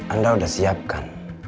anda udah siapkan